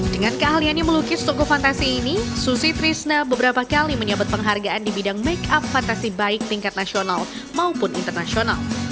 dengan keahliannya melukis toko fantasi ini susi trisna beberapa kali menyabat penghargaan di bidang make up fantasi baik tingkat nasional maupun internasional